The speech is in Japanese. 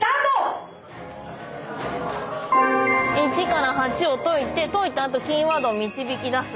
１から８を解いて解いたあとキーワードを導き出す。